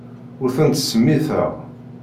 Ur tent-ttsemmiteɣ.